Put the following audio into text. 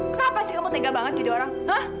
kenapa sih kamu tega banget jadi orang